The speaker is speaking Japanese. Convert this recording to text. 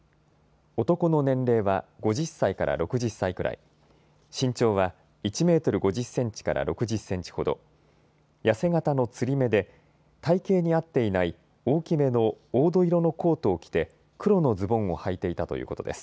男の年齢は５０歳から６０歳くらい、身長は１メートル５０センチから６０センチほど痩せ形のつり目で体型に合っていない大きめの黄土色のコートを着て黒のズボンをはいていたということです。